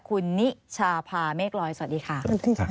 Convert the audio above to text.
ควิทยาลัยเชียร์สวัสดีครับ